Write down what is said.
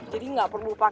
jadi gak perlu pakai